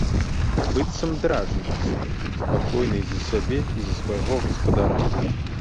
Быццам дражніцца, спакойны і за сябе і за свайго гаспадара.